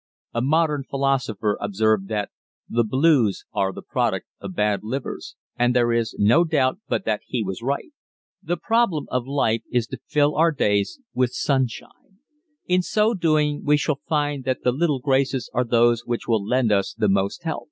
A modern philosopher observed that "the blues are the product of bad livers" and there is no doubt but that he was right. The problem of life is to fill our days with sunshine. In so doing we shall find that the "little graces" are those which will lend us the most help.